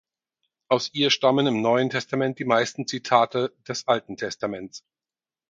Aus ihr stammen im Neuen Testament die meisten Zitate des Alten Testaments.